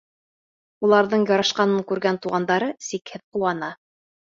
Уларҙың ярашҡанын күргән туғандары сикһеҙ ҡыуана.